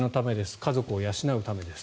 家族を養うためです。